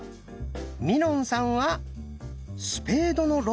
みのんさんは「スペードの６」。